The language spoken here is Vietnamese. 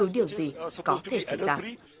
điều gì có thể xảy ra